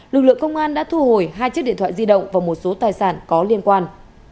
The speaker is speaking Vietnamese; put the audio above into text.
lực lượng công an đã thu hồi hai chiếc điện thoại di động và một số tài sản có liên quan